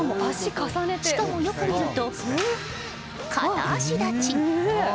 しかも、よく見ると片足立ち！